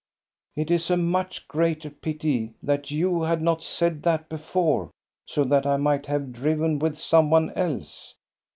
" It is a much greater pity that you had not said that before, so that I might have driven with some one else."